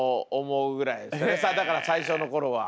だから最初の頃は。